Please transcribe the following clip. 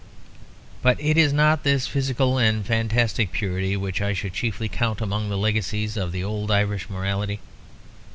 But it is not this physical and fantastic purity which I should chiefly count among the legacies of the old Irish morality.